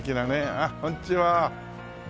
あっこんにちは。